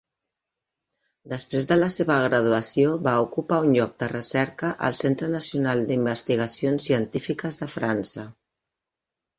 Després de la seva graduació, va ocupar un lloc de recerca al Centre Nacional d'Investigacions Científiques de França.